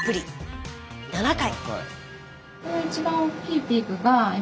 ７回。